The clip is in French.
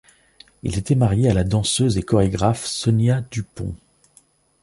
Il était marié à la danseuse et chorégraphe Sonia du Pont.